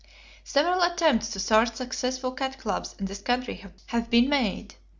Several attempts to start successful cat clubs in this country have been made.